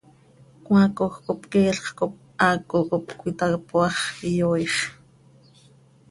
Cmaacoj cop queelx cop haaco cop cöitapoaax, iyooix.